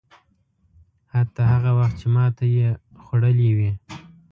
حتی هغه وخت چې ماته یې خوړلې وي.